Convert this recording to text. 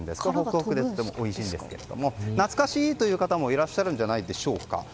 ホクホクでとてもおいしいんですが懐かしいという方もいらっしゃると思います。